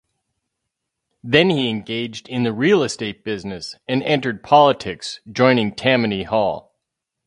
Then he engaged in the real-estate business, and entered politics, joining Tammany Hall.